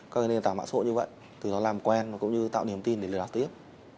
các nền tảng mạng xã hội như vậy từ đó làm quen cũng như tạo điểm tin để liên lạc tiếp